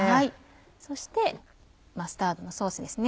そしてマスタードのソースですね。